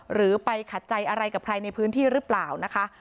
หรือไปขัดใจอะไรกับใครในพื้นที่หรือเปล่านะคะ